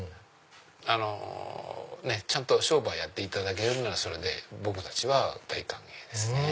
あのちゃんと商売やっていただけるならそれで僕たちは大歓迎ですね。